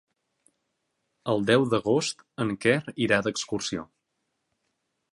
El deu d'agost en Quer irà d'excursió.